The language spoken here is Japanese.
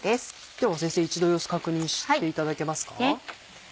では先生一度様子確認していただけますか？